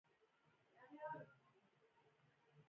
د اقتصادي فعالیتونو ټولې دروازې یې پرمخ تړل شوې وې.